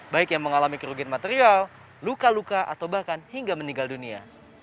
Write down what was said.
baik yang mengalami kerugian material luka luka atau bahkan hingga meninggal dunia